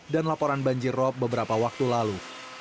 dan laporan banjir rob beberapa waktu lalu